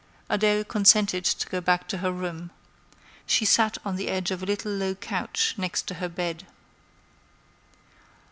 Adèle consented to go back to her room. She sat on the edge of a little low couch next to her bed.